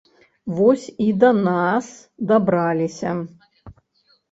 Вось і да нас дабраліся.